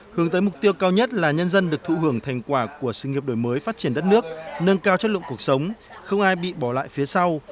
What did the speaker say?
hướng tới mục tiêu cao nhất là nhân dân được thụ hưởng thành quả của sự nghiệp đổi mới phát triển đất nước nâng cao chất lượng cuộc sống không ai bị bỏ lại phía sau